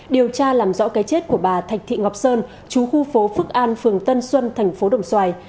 điều tra làm rõ cái chết của bà thạch thị ngọc sơn chú khu phố phước an phường tân xuân thành phố đồng xoài